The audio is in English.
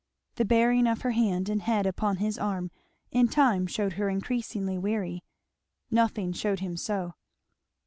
The bearing of her hand and head upon his arm in time shewed her increasingly weary. Nothing shewed him so.